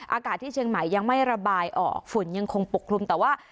อากาศที่เชียงใหม่ยังไม่ระบายออกฝุ่นยังคงปกคลุมแต่ว่า